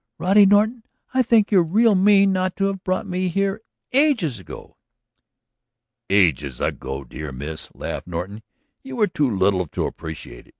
"Roddy Norton, I think you're real mean not to have brought me here ages ago!" "Ages ago, my dear miss," laughed Norton, "you were too little to appreciate it.